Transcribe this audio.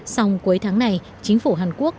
xong cuối tháng này chính phủ hàn quốc